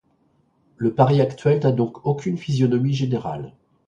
Le Paris actuel n’a donc aucune physionomie générale.